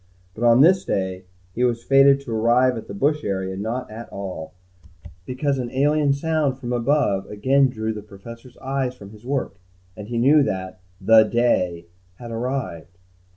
But on this day, he was fated to arrive at the bush area not at all, because an alien sound from above again drew the Professor's eyes from his work, and he knew that the day had arrived.